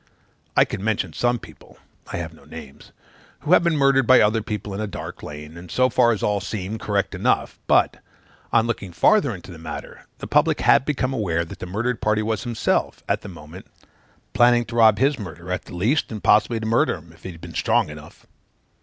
I could mention some people (I name no names) who have been murdered by other people in a dark lane; and so far all seemed correct enough; but, on looking farther into the matter, the public have become aware that the murdered party was himself, at the moment, planning to rob his murderer, at the least, and possibly to murder him, if he had been strong enough.